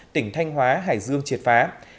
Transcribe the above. tỉnh thanh hóa hải dương triệt phá